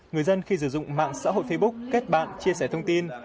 người dân khi sử dụng mạng xã hội facebook kết bạn chia sẻ thông tin